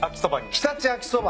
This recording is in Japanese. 常陸秋そば。